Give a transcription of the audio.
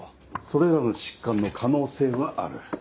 それらの疾患の可能性はある。